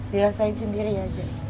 dirasain sendiri aja